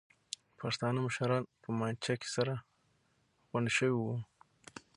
پښتانه مشران په مانجه کې سره غونډ شوي وو.